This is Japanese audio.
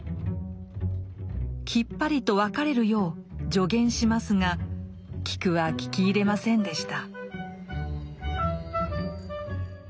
きっぱりと別れるよう助言しますがキクは聞き入れませんでした。